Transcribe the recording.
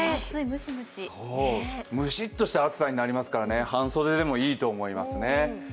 ムシッとした暑さになりますから半袖でもいいと思いますね。